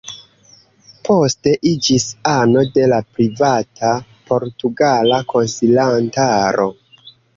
Poste iĝis ano de la Privata Portugala Konsilantaro.